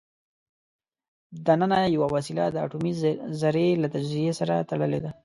دننه یوه وسیله د اټومي ذرې له تجزیې سره تړلې ده.